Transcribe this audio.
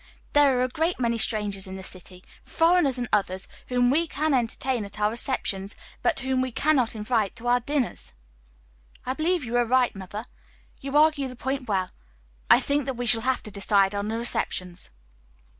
There are a great many strangers in the city, foreigners and others, whom we can entertain at our receptions, but whom we cannot invite to our dinners." "I believe you are right, mother. You argue the point well. I think that we shall have to decide on the receptions."